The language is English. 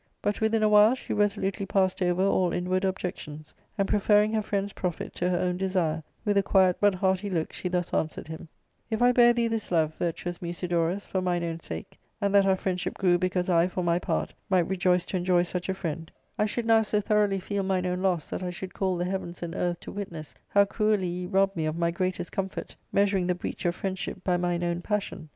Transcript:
But within a while she resolutely passed over all inward objections, and preferring her friend^s profit to her own desire, with a quiet but hearty look she thus answered him :—" If I bare thee this love, virtuous Musidorus, for mine own sake, and that our friendship grew because I, for my part, might rejoice to enjoy such a friend, I should now so tho roughly feel mine own loss that I should call the heavens and earth to witness how cruelly ye rob me of my greatest comfort, measuring the breach of friendship by mine own passion.